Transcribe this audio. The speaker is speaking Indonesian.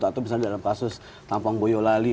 atau misalnya dalam kasus tampang boyolali